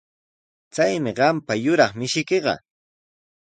Chaymi qampa yuraq mishiykiqa.